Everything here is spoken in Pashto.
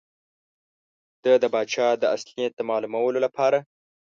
ده د پاچا د اصلي نیت د معلومولو لپاره.